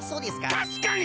たしかに！